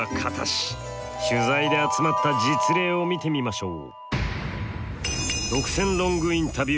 取材で集まった実例を見てみましょう。